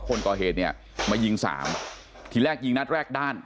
คนก่อเหตุเนี่ยมายิงสามทีแรกยิงนัดแรกด้าน